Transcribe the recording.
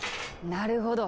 なるほど！